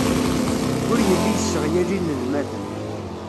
Ur yelli yesseɣyal inelmaden.